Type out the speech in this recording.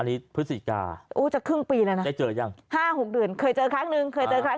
อันนี้พฤศจิกาได้เจอยัง๕๖เดือนเคยเจอครั้งนึง